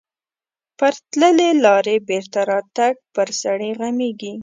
پر تللې لارې بېرته راتګ پر سړي غمیږي.